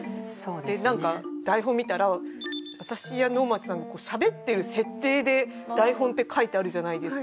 なんか台本見たら私や能町さんしゃべっている設定で台本って書いてあるじゃないですか。